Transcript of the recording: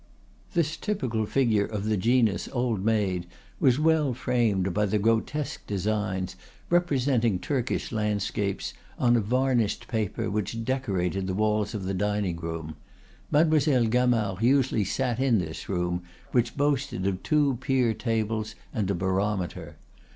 This typical figure of the genus Old Maid was well framed by the grotesque designs, representing Turkish landscapes, on a varnished paper which decorated the walls of the dining room. Mademoiselle Gamard usually sat in this room, which boasted of two pier tables and a barometer.